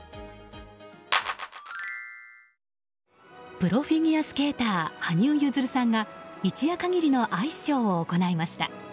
プロフィギュアスケーター羽生結弦さんが一夜限りのアイスショーを行いました。